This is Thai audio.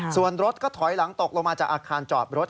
ส่วนรถก็ถอยหลังตกลงมาจากอาคารจอดรถ